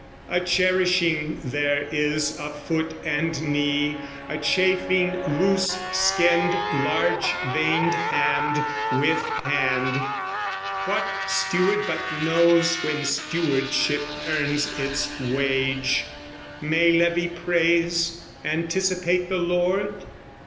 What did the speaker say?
A cherishing there is of foot and knee, A chafing loose skinned large veined hand with hand, What steward but knows when stewardship earns its wage, May levy praise, anticipate the lord?